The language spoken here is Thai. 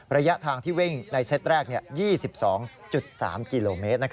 ระยะทางที่วิ่งในเซตแรก๒๒๓กิโลเมตร